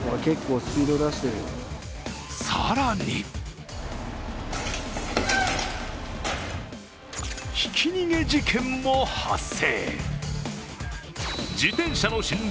更にひき逃げ事件も発生。